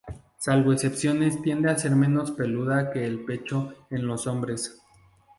Salvo excepciones tiende a ser menos peluda que el pecho en los hombres.